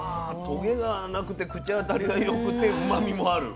トゲがなくて口当たりがよくてうまみもある。